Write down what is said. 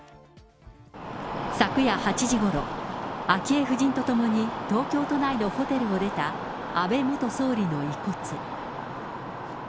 昨夜８時ごろ、昭恵夫人と共に東京都内のホテルを出た安倍元総理の遺骨。